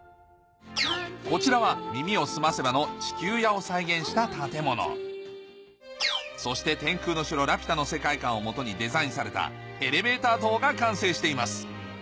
こちらは『耳をすませば』の地球屋を再現した建物そして『天空の城ラピュタ』の世界観を基にデザインされたエレベーター塔が完成しています